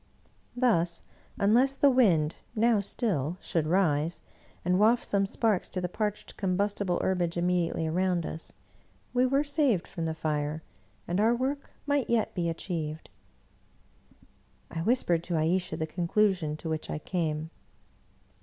Thus, unless the wind, now still, should rise, and waft some sparks to the parched combustible herbage immediately around us, we were saved from the fire, and our work might yet be achieved. I whispered to Ayesha the conclusion to which I came.